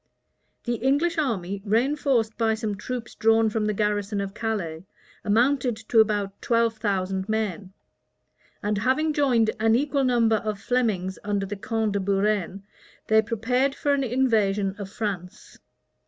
The English army, reënforced by some troops drawn from the garrison of Calais, amounted to about twelve thousand men; and having joined an equal number of Flemings under the count de Buren, they prepared for an invasion of France.